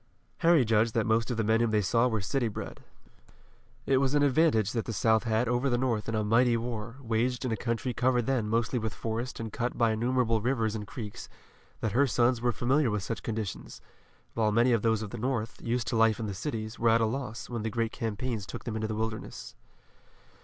Harry judged that most of the men whom they saw were city bred. It was an advantage that the South had over the North in a mighty war, waged in a country covered then mostly with forest and cut by innumerable rivers and creeks, that her sons were familiar with such conditions, while many of those of the North, used to life in the cities, were at a loss, when the great campaigns took them into the wilderness.